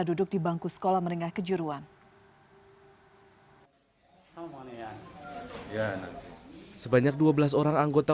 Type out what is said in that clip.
duduk di bangku sekolah meringah kejuruan hai sama kalian ya sebanyak dua belas orang anggota